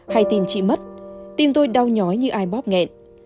hay tin chị mất tim tôi đau nhói như ai bóp nghẹn